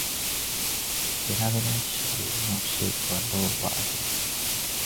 デラウェア州の州都はドーバーである